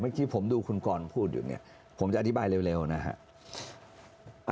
เมื่อกี้ผมดูคุณกรพูดอยู่เนี่ยผมจะอธิบายเร็วนะฮะ